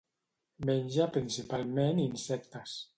Menja principalment insectes.